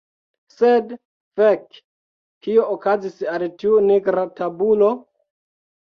Sed, fek, kio okazis al tiu nigra tabulo?